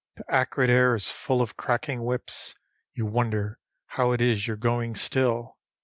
The acrid air is full of cracking whips. You wonder how it is you're going still.